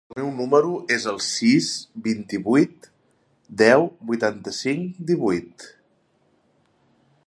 El meu número es el sis, vint-i-vuit, deu, vuitanta-cinc, divuit.